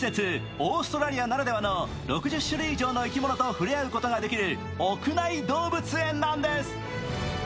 オーストラリアならではの６０種類以上の生き物と触れ合うことのできる屋内動物園なんです。